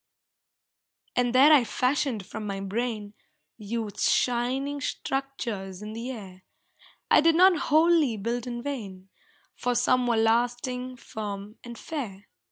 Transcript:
And there I fashioned from my brain Youth's shining structures in the air. I did not wholly build in vain, For some were lasting, firm and fair.